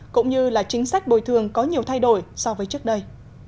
cũng như là chính sách bồi thường có nhiều thay đổi so với trước đây